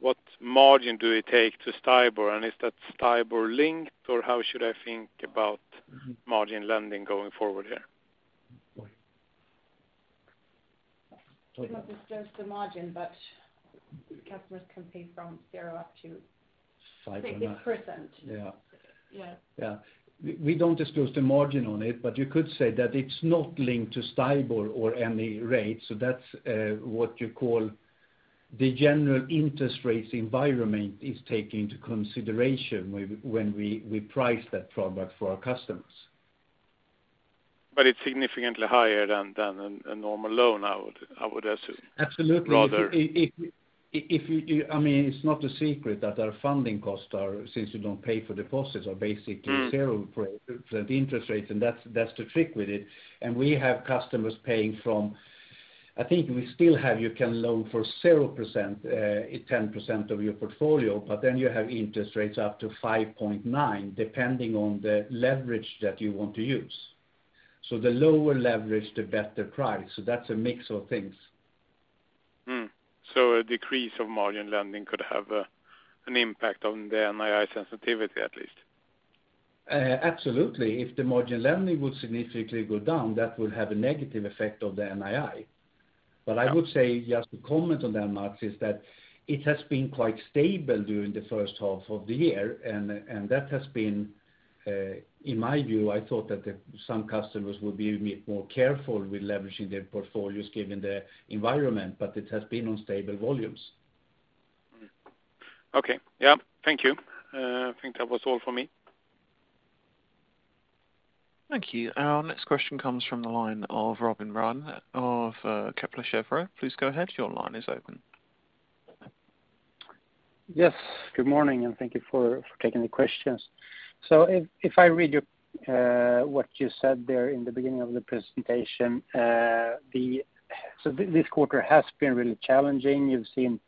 what margin do we take to STIBOR? Is that STIBOR linked or how should I think about margin lending going forward here? We don't disclose the margin, but customers can pay from 0% up to 50%. 5.5%. Yeah. We don't disclose the margin on it, but you could say that it's not linked to STIBOR or any rate. That's, what you call, the general interest rates environment is taking into consideration when we price that product for our customers. It's significantly higher than a normal loan, I would assume. Absolutely. Rather. I mean, it's not a secret that our funding costs are, since you don't pay for deposits, are basically zero for the interest rates, and that's the trick with it. We have customers paying from, I think we still have you can loan for 0%, 10% of your portfolio, but then you have interest rates up to 5.9% depending on the leverage that you want to use. The lower leverage, the better price. That's a mix of things. A decrease of margin lending could have an impact on the NII sensitivity at least? Absolutely. If the margin lending would significantly go down, that would have a negative effect on the NII. I would say just to comment on that, Mats, is that it has been quite stable during the first half of the year and that has been, in my view, I thought that some customers would be a bit more careful with leveraging their portfolios given the environment, but it has been on stable volumes. Okay. Yeah. Thank you. I think that was all for me. Thank you. Our next question comes from the line of Robin Rane of Kepler Cheuvreux. Please go ahead, your line is open. Yes. Good morning, and thank you for taking the questions. If I read what you said there in the beginning of the presentation, this quarter has been really challenging. You've seen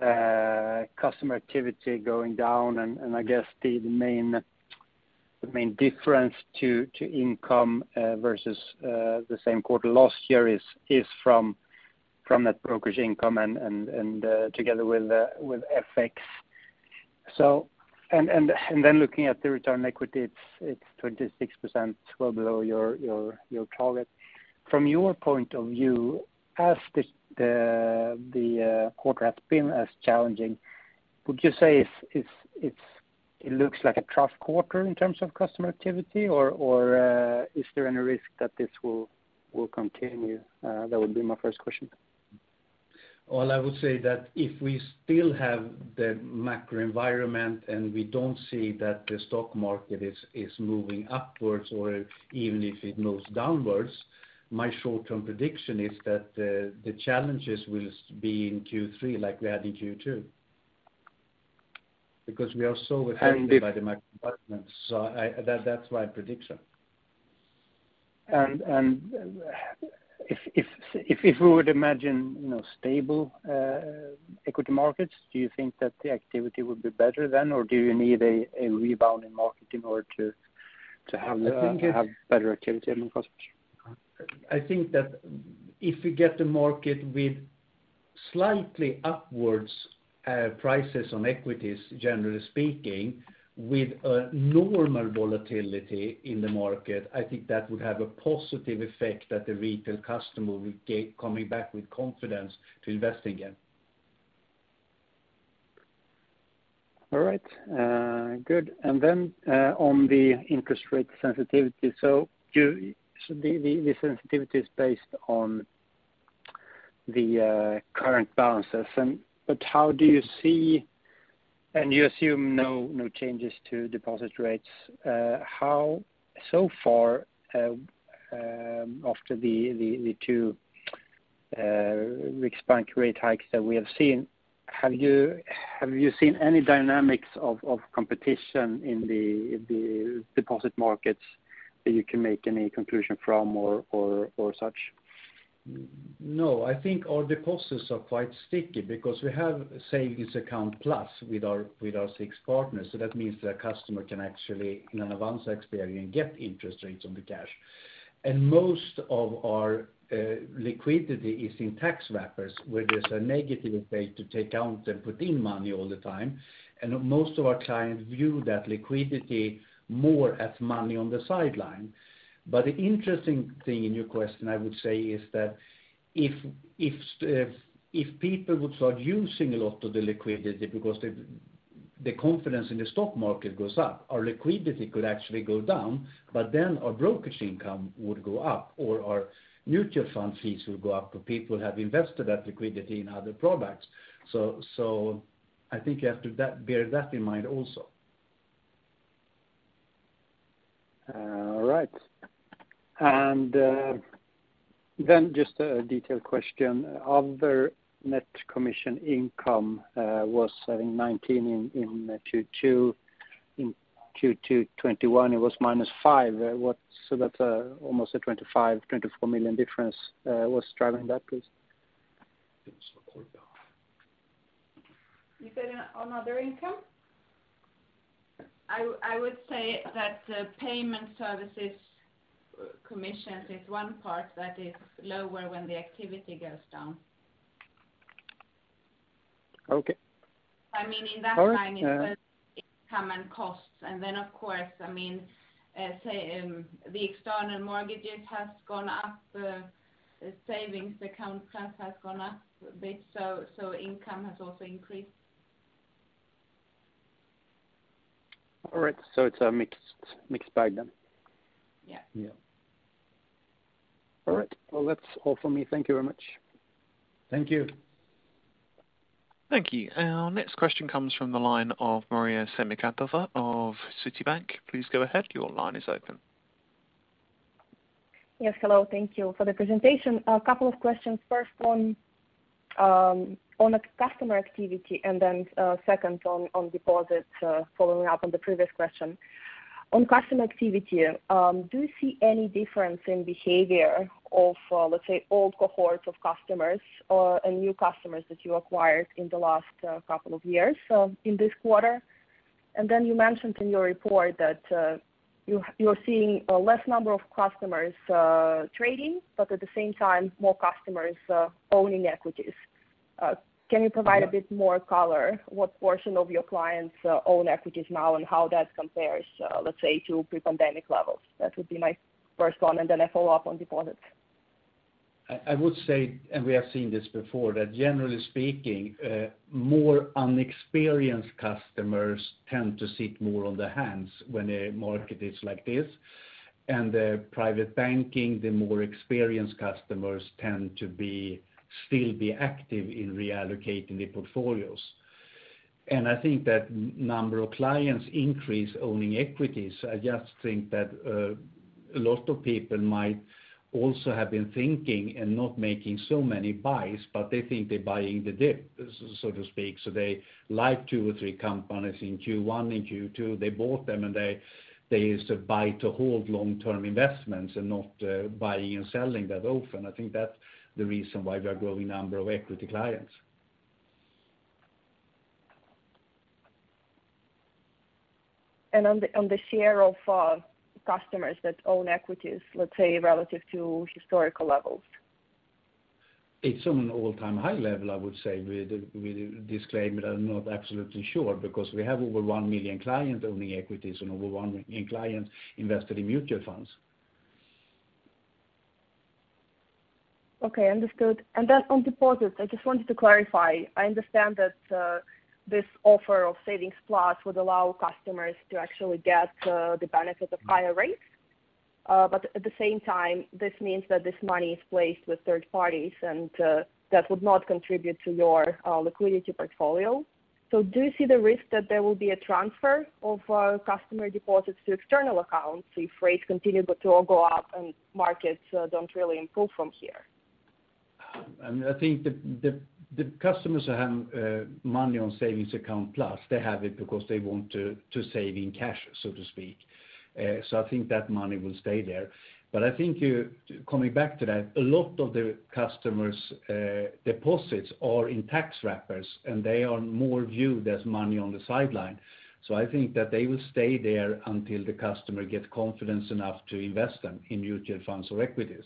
customer activity going down, and I guess the main difference to income versus the same quarter last year is from that brokerage income and together with FX. Then looking at the return on equity, it's 26% well below your target. From your point of view, as the quarter has been as challenging, would you say if it looks like a tough quarter in terms of customer activity or is there any risk that this will continue? That would be my first question. Well, I would say that if we still have the macro environment and we don't see that the stock market is moving upwards or even if it moves downwards, my short-term prediction is that the challenges will be in Q3 like we had in Q2 because we are so affected by the macro environments. That's my prediction. If we would imagine, you know, stable equity markets, do you think that the activity would be better then or do you need a rebound in market in order to have better activity among customers? I think that if you get the market with slightly upwards prices on equities, generally speaking, with a normal volatility in the market, I think that would have a positive effect that the retail customer will get coming back with confidence to invest again. All right. Good. On the interest rate sensitivity. The sensitivity is based on the current balances. How do you see, you assume no changes to deposit rates. How, so far, after the two Riksbank rate hikes that we have seen, have you seen any dynamics of competition in the deposit markets that you can make any conclusion from or such? No. I think our deposits are quite sticky because we have savings account plus with our six partners. That means that a customer can actually, in an Avanza experience, get interest rates on the cash. Most of our liquidity is in tax wrappers, where there's a negative effect to take out and put in money all the time. Most of our clients view that liquidity more as money on the sideline. The interesting thing in your question, I would say, is that if people would start using a lot of the liquidity because the confidence in the stock market goes up, our liquidity could actually go down, but then our brokerage income would go up, or our mutual fund fees would go up if people have invested that liquidity in other products. I think you have to bear that in mind also. All right. Just a detailed question. Other net commission income was, I think, 19 million in Q2. In Q2 2021, it was -5 million. Almost a 24-25 million difference was driving that, please? It was recorded down. You said on other income? I would say that the payment services commissions is one part that is lower when the activity goes down. Okay. All right, I mean, in that line, it was income and costs. Then, of course, I mean, say, the external mortgages has gone up, the savings account plus has gone up a bit, so income has also increased. All right. It's a mixed bag then. Yeah Yeah All right. Well, that's all for me. Thank you very much. Thank you. Thank you. Our next question comes from the line of Maria Semikhatova of Citibank. Please go ahead. Your line is open. Yes. Hello. Thank you for the presentation. A couple of questions. First one, on customer activity, and then, second on deposits, following up on the previous question. On customer activity, do you see any difference in behavior of, let's say, old cohorts of customers or new customers that you acquired in the last couple of years, in this quarter? You mentioned in your report that, you're seeing a less number of customers, trading, but at the same time, more customers, owning equities. Can you provide a bit more color what portion of your clients own equities now and how that compares, let's say to pre-pandemic levels? That would be my first one, and then I follow up on deposits. I would say, and we have seen this before, that generally speaking, more inexperienced customers tend to sit more on their hands when a market is like this. Private Banking, the more experienced customers tend to be still active in reallocating their portfolios. I think that number of clients increase owning equities. I just think that a lot of people might also have been thinking and not making so many buys, but they think they're buying the dip, so to speak. They like two or three companies in Q1 and Q2. They bought them, and they used to buy to hold long-term investments and not buying and selling that often. I think that's the reason why we are growing number of equity clients. On the share of customers that own equities, let's say relative to historical levels. It's on an all-time high level, I would say, with the disclaimer I'm not absolutely sure, because we have over 1 million clients owning equities and over 1 million clients invested in mutual funds. Okay. Understood. On deposits, I just wanted to clarify. I understand that this offer of Sparkonto Plus would allow customers to actually get the benefit of higher rates. At the same time, this means that this money is placed with third parties and that would not contribute to your liquidity portfolio. Do you see the risk that there will be a transfer of customer deposits to external accounts if rates continue to go up and markets don't really improve from here? I think the customers that have money on Sparkonto Plus, they have it because they want to save in cash, so to speak. I think that money will stay there. Coming back to that, a lot of the customers' deposits are in tax wrappers, and they are more viewed as money on the sideline. I think that they will stay there until the customer gets confidence enough to invest them in mutual funds or equities.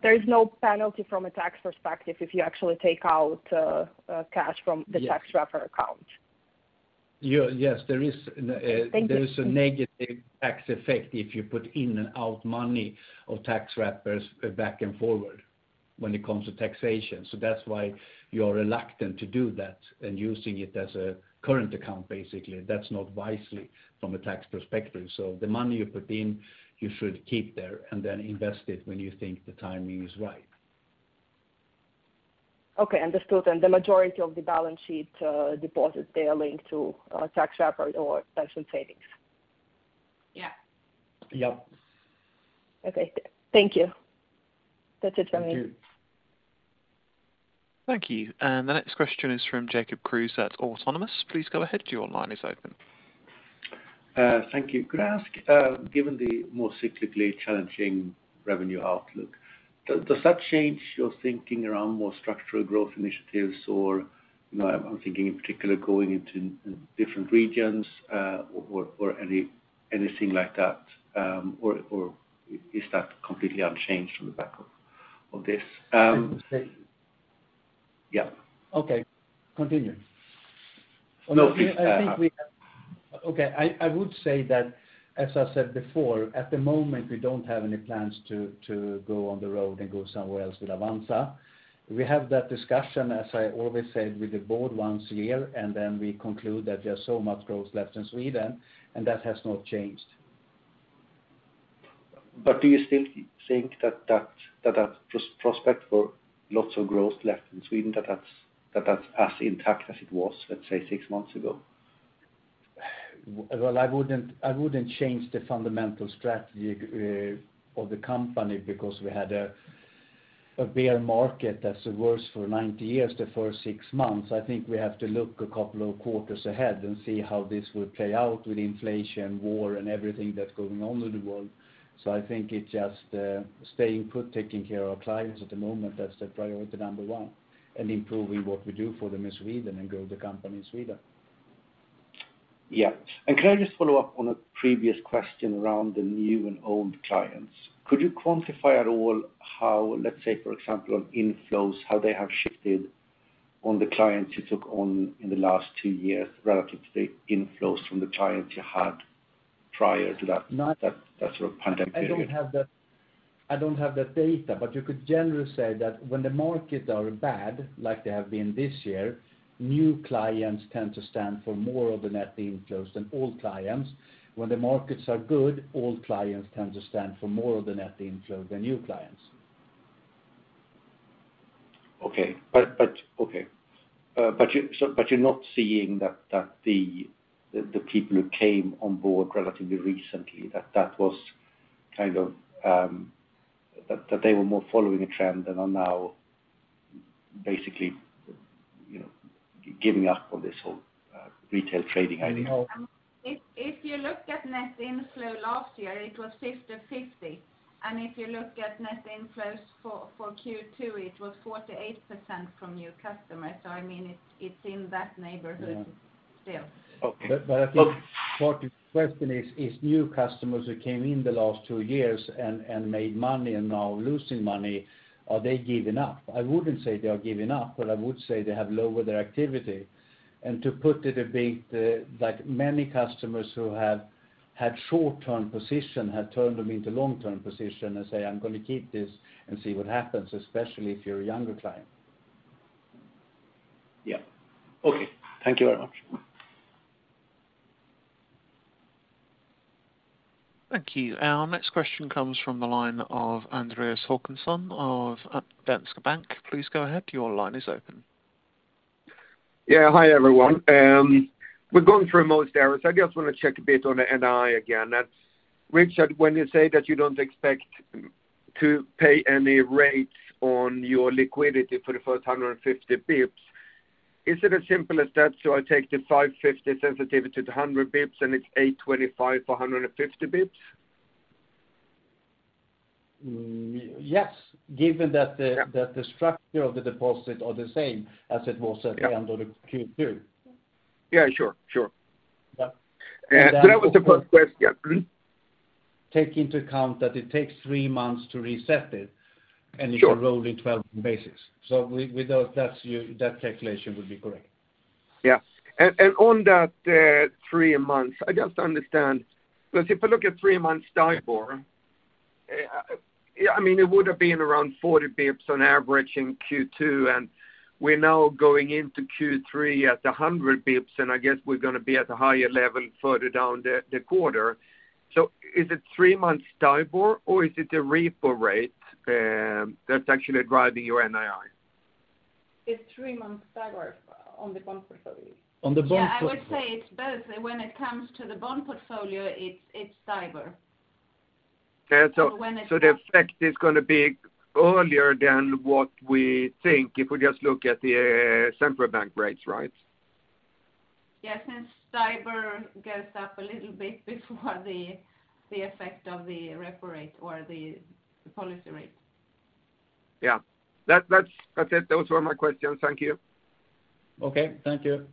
There is no penalty from a tax perspective if you actually take out cash from the tax wrapper account? Yes, there is. Thank you. There is a negative tax effect if you put in and out money of tax wrappers back and forward when it comes to taxation. That's why you're reluctant to do that and using it as a current account, basically. That's not wisely from a tax perspective. The money you put in, you should keep there and then invest it when you think the timing is right. Okay, understood. The majority of the balance sheet, deposits, they are linked to a tax wrapper or pension savings? Yeah. Yep. Okay. Thank you. That's it for me. Thank you. Thank you. The next question is from Jacob Kruse at Autonomous Research. Please go ahead. Your line is open. Thank you. Could I ask, given the more cyclically challenging revenue outlook, does that change your thinking around more structural growth initiatives or, you know, I'm thinking in particular going into different regions, or anything like that, or is that completely unchanged from the back of this? Okay. Continue. No, please. I would say that, as I said before, at the moment, we don't have any plans to go on the road and go somewhere else with Avanza. We have that discussion, as I always said, with the board once a year, and then we conclude that there's so much growth left in Sweden, and that has not changed. Do you still think that prospect for lots of growth left in Sweden, that's as intact as it was, let's say, six months ago? Well, I wouldn't change the fundamental strategy of the company because we had a bear market that's the worst for 90 years the first six months. I think we have to look a couple of quarters ahead and see how this would play out with inflation, war, and everything that's going on in the world. I think it's just staying put, taking care of clients at the moment. That's the priority number one, and improving what we do for them in Sweden and grow the company in Sweden. Yeah. Can I just follow up on a previous question around the new and old clients? Could you quantify at all how, let's say, for example, on inflows, how they have shifted on the clients you took on in the last two years relative to the inflows from the clients you had prior to that? Not- That sort of pandemic period? I don't have that data, but you could generally say that when the market are bad, like they have been this year, new clients tend to stand for more of the net inflows than old clients. When the markets are good, old clients tend to stand for more of the net inflow than new clients. You're not seeing that the people who came on board relatively recently, that they were more following a trend and are now basically, you know, giving up on this whole retail trading idea? No. If you look at net inflow last year, it was 50/50. If you look at net inflows for Q2, it was 48% from new customers. I mean, it's in that neighborhood. Yeah still. Okay. I think part of the question is new customers who came in the last two years and made money and now losing money, are they giving up? I wouldn't say they are giving up, but I would say they have lowered their activity. To put it a bit, like many customers who have had short-term position have turned them into long-term position and say, "I'm gonna keep this and see what happens," especially if you're a younger client. Yeah. Okay. Thank you very much. Thank you. Our next question comes from the line of Andreas Håkansson of Danske Bank. Please go ahead. Your line is open. Yeah. Hi, everyone. We're going through most areas. I just wanna check a bit on the NII again. That's, Rikard, when you say that you don't expect to pay any rates on your liquidity for the first 150 bps, is it as simple as that? I take the 550 sensitivity to the 100 bps and it's 825 for 150 bps? Yes. Given that the Yeah that the structure of the deposits are the same as it was. Yeah the end of Q2. Yeah, sure. Yeah. That was the first question. Take into account that it takes three months to reset it. Sure You can roll it 12 basis. With those, that calculation would be correct. On that three months, I just understand, 'cause if I look at three months STIBOR, I mean, it would've been around 40 basis points on average in Q2, and we're now going into Q3 at 100 basis points, and I guess we're gonna be at a higher level further down the quarter. Is it three months STIBOR or is it the repo rate that's actually driving your NII? It's three months STIBOR on the bond portfolio. On the bond portfolio. Yeah, I would say it's both. When it comes to the bond portfolio, it's STIBOR. Okay. But when it comes- The effect is gonna be earlier than what we think if we just look at the central bank rates, right? Yeah, since STIBOR goes up a little bit before the effect of the repo rate or the policy rate. Yeah. That's it. Those were my questions. Thank you. Okay. Thank you.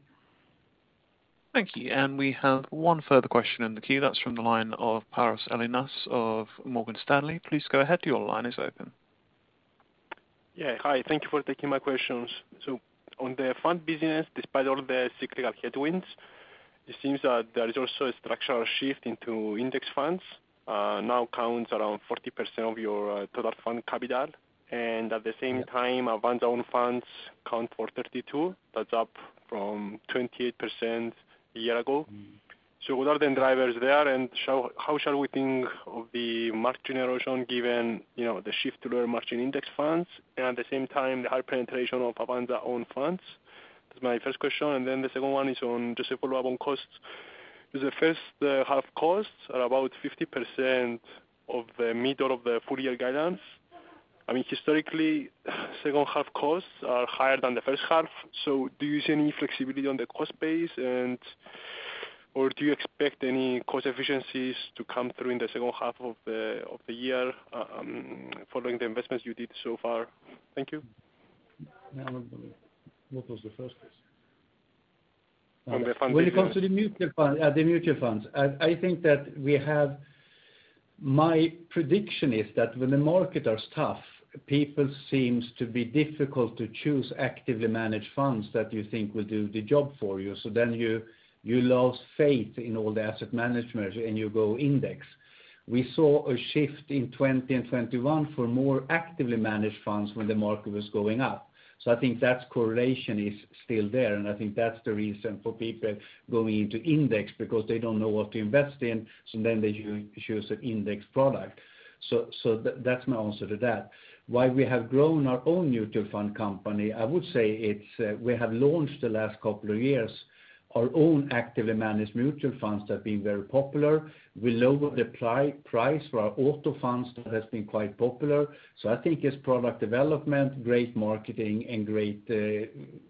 Thank you. We have one further question in the queue that's from the line of Panos Ellinas of Morgan Stanley. Please go ahead. Your line is open. Yeah. Hi. Thank you for taking my questions. On the fund business, despite all the cyclical headwinds, it seems that there is also a structural shift into index funds, now counts around 40% of your total fund capital. At the same time Avanza's own funds count for 32%. That's up from 28% a year ago. What are the drivers there, and how shall we think of the margin erosion given, you know, the shift to low margin index funds and at the same time the high penetration of Avanza's own funds? That's my first question. Then the second one is on just a follow-up on costs. The first half costs are about 50% of the midpoint of the full-year guidance. I mean, historically, second half costs are higher than the first half, so do you see any flexibility on the cost base and or do you expect any cost efficiencies to come through in the second half of the year, following the investments you did so far? Thank you. What was the first question? On the fund business. When it comes to the mutual funds, I think my prediction is that when the market are tough, people seems to be difficult to choose actively managed funds that you think will do the job for you. You lose faith in all the asset management, and you go index. We saw a shift in 2020 and 2021 for more actively managed funds when the market was going up. I think that correlation is still there, and I think that's the reason for people going into index because they don't know what to invest in, then they use an index product. That's my answer to that. Why we have grown our own mutual fund company, I would say it's we have launched the last couple of years our own actively managed mutual funds that have been very popular. We lowered the price for our Auto funds. That has been quite popular. I think it's product development, great marketing and great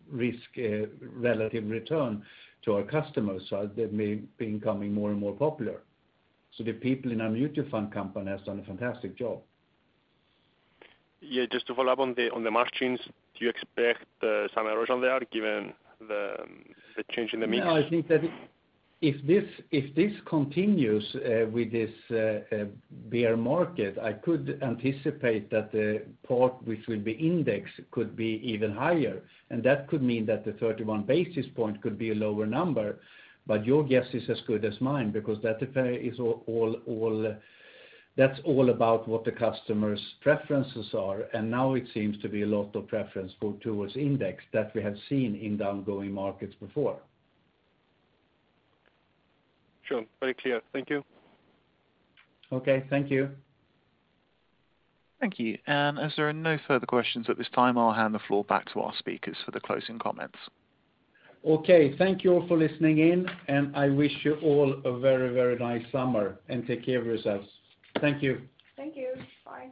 risk relative return to our customers. They've been becoming more and more popular. The people in our mutual fund company has done a fantastic job. Yeah, just to follow up on the margins, do you expect some erosion there given the change in the mix? No, I think that if this continues with this bear market, I could anticipate that the part which will be index could be even higher, and that could mean that the 31 basis point could be a lower number. But your guess is as good as mine because that effect is all about what the customer's preferences are. Now it seems to be a lot of preference go towards index that we have seen in the ongoing markets before. Sure. Very clear. Thank you. Okay, thank you. Thank you. As there are no further questions at this time, I'll hand the floor back to our speakers for the closing comments. Okay. Thank you all for listening in, and I wish you all a very, very nice summer and take care of yourselves. Thank you. Thank you. Bye.